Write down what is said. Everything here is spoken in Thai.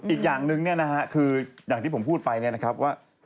อีกอย่างหนึ่งคืออย่างที่ผมพูดไปนะครับว่า